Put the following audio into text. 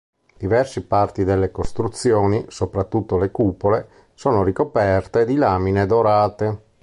Diverse parti delle costruzioni, soprattutto le cupole, sono ricoperte di lamine dorate.